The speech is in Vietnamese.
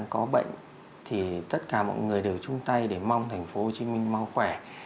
có bệnh thì tất cả mọi người đều chung tay để mong thành phố hồ chí minh mong khỏe